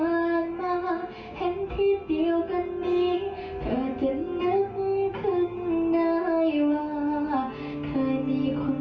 ให้เธอสัมผัสความคิดที่ฉันทิ้งไว้